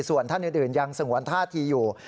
ส่วนท่านอื่นยังสงวนท่าทีอยู่